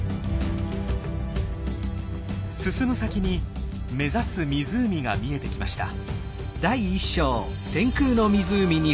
進む先に目指す湖が見えてきました。